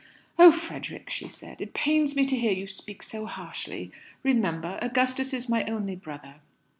"Oh, Frederick," she said, "it pains me to hear you speak so harshly. Remember, Augustus is my only brother."